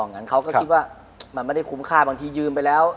งั้นเขาก็คิดว่ามันไม่ได้คุ้มค่าบางทียืมไปแล้ว